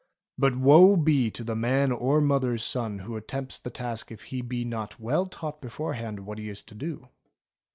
"But woe be to the man or mother's son who attempts the task if he be not well taught beforehand what he is to do."